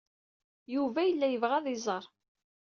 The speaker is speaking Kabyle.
Yuba yella yebɣa ad iyi-iẓer.